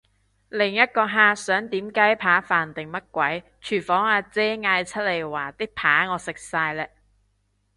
另一個客想點雞扒飯定乜鬼，廚房阿姐嗌出嚟話啲扒我食晒嘞！